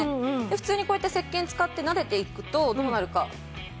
普通にこうやってせっけん使ってなでていくとどうなるか。